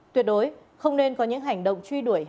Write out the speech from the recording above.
tuyệt đối không nên có những hành động chứa chấp các đối tượng